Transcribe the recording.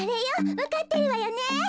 わかってるわよね？